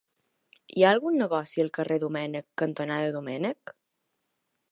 Hi ha algun negoci al carrer Domènech cantonada Domènech?